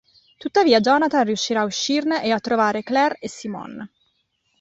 Tuttavia Jonathan riuscirà a uscirne e a trovare Claire e Simon.